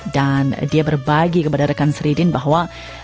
dan dia berbagi kepada rekan sridin bahwa